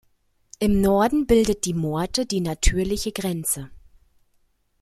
Im Norden bildet die Morte die natürliche Grenze.